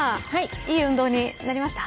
いい運動になりました。